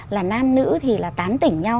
là nam nữ thì là tán tỉnh nhau